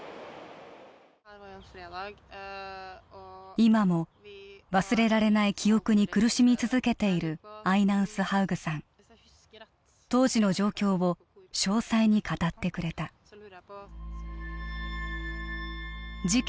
今も忘れられない記憶に苦しみ続けているアイナンスハウグさん当時の状況を詳細に語ってくれた事件